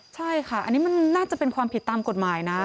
ใช่ค่ะอันนี้มันน่าจะเป็นความผิดตามกฎหมายนะ